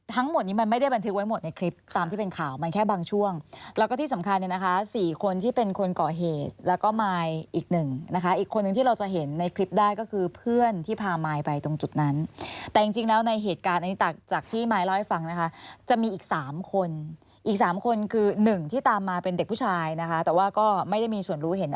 ทั้งหมดนี้มันไม่ได้บันทึกไว้หมดในคลิปตามที่เป็นข่าวมันแค่บางช่วงแล้วก็ที่สำคัญเนี่ยนะคะ๔คนที่เป็นคนก่อเหตุแล้วก็มายอีกหนึ่งนะคะอีกคนนึงที่เราจะเห็นในคลิปได้ก็คือเพื่อนที่พามายไปตรงจุดนั้นแต่จริงแล้วในเหตุการณ์อันนี้จากที่มายเล่าให้ฟังนะคะจะมีอีก๓คนอีกสามคนคือหนึ่งที่ตามมาเป็นเด็กผู้ชายนะคะแต่ว่าก็ไม่ได้มีส่วนรู้เห็น